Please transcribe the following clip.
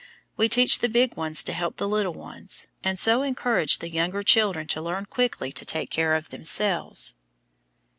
We teach the big ones to help the little ones, and, so, encourage the younger children to learn quickly to take care of themselves.